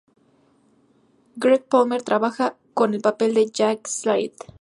Gregg Palmer trabajaba con el papel de Jack Slade.